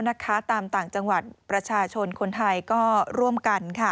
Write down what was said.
นักค้าตามต่างจังหวัดประชาชนคนไทยก็ร่วมกัน